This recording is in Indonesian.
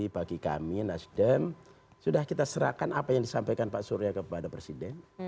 bagi kami nasdem sudah kita serahkan apa yang disampaikan pak surya kepada presiden